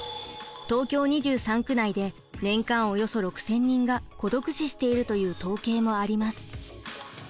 東京２３区内で年間およそ６，０００人が孤独死しているという統計もあります。